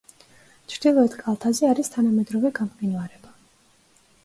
ჩრდილოეთ კალთაზე არის თანამედროვე გამყინვარება.